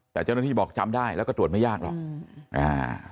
แต่เจ้าหน้าที่บอกจำได้แล้วก็ตรวจไม่ยากหรอกอืมอ่า